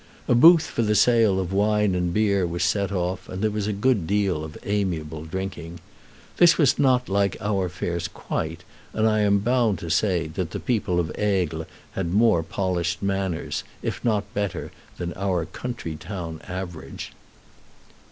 A booth for the sale of wine and beer was set off, and there was a good deal of amiable drinking. This was not like our fairs quite; and I am bound to say that the people of Aigle had more polished manners, if not better, than our country town average.